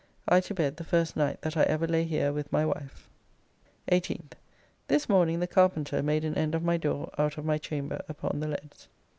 I to bed the first night that I ever lay here with my wife. 18th. This morning the carpenter made an end of my door out of my chamber upon the leads.